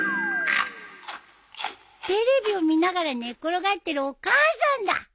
テレビを見ながら寝っ転がってるお母さんだ！